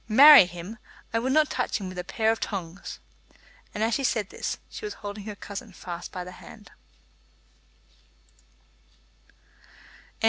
Marry him! I would not touch him with a pair of tongs." As she said this, she was holding her cousin fast by the hand.